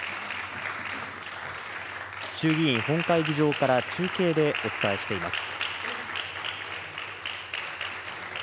衆議院本会議場から中継でお伝えしています。